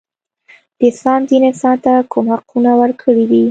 د اسلام دین انسان ته کوم حقونه ورکړي دي.